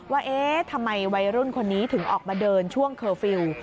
ว่าเอ๊ะทำไมวัยรุ่นคนนี้ถึงออกมาเดินช่วงเคอร์ฟิลล์